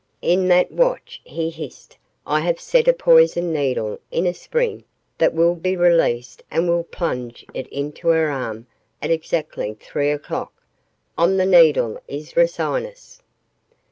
"In that watch," he hissed, "I have set a poisoned needle in a spring that will be released and will plunge it into her arm at exactly three o'clock. On the needle is ricinus!"